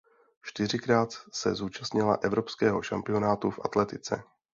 Čtyřikrát se zúčastnila evropského šampionátu v atletice.